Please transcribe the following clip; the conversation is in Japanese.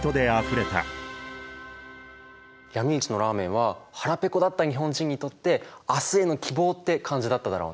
闇市のラーメンは腹ペコだった日本人にとって明日への希望って感じだっただろうね。